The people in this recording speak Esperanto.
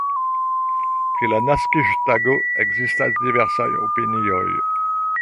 Pri la naskiĝtago ekzistas diversaj opinioj.